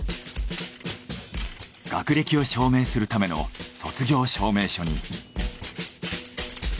学歴を証明するための卒業証明書に。